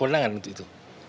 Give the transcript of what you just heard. benangan untuk itu